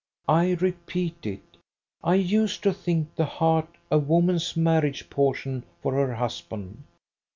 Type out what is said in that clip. I repeat it. I used to think the heart a woman's marriage portion for her husband.